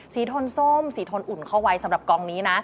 โทนส้มสีทนอุ่นเข้าไว้สำหรับกองนี้นะ